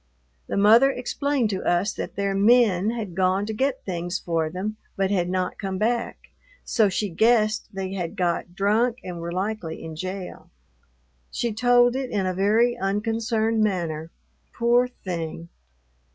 The mother explained to us that their "men" had gone to get things for them, but had not come back, so she guessed they had got drunk and were likely in jail. She told it in a very unconcerned manner. Poor thing!